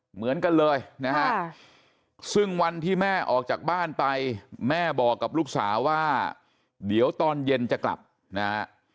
เหมือนกันเลยนะฮะซึ่งวันที่แม่ออกจากบ้านไปแม่บอกกับลูกสาวว่าเดี๋ยวตอนเย็นจะกลับนะฮะ